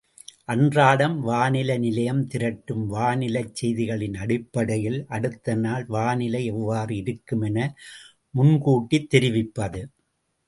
அன்றாடம் வானிலை நிலையம் திரட்டும் வானிலைச் செய்திகளின் அடிப்படையில் அடுத்தநாள் வானிலை எவ்வாறு இருக்கும் என முன்கூட்டித் தெரிவிப்பது.